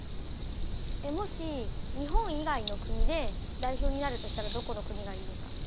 もし日本以外の国で代表になるとしたらどこの国がいいですか？